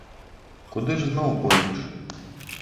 Куды ж зноў пойдзеш?